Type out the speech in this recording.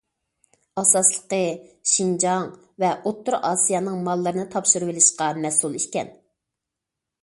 ئاساسلىقى شىنجاڭ ۋە ئوتتۇرا ئاسىيانىڭ ماللىرىنى تاپشۇرۇۋېلىشقا مەسئۇل ئىكەن.